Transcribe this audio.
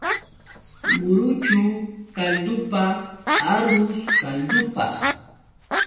Muruchu kaldupa, arrus kaldupa.